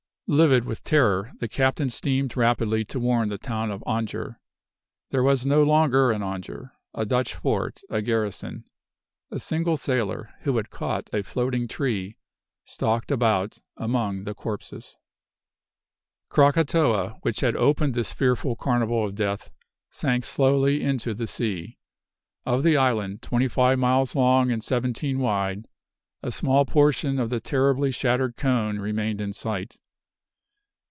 Livid with terror, the captain steamed rapidly to warn the town of Anjer. There was no longer an Anjer, a Dutch fort, a garrison. A single sailor, who had caught a floating tree, stalked about among the corpses. Krakatoa, which had opened this fearful carnival of death, sank slowly into the sea. Of the island, twenty five miles long and seventeen wide, a small portion of the terribly shattered cone remained in sight.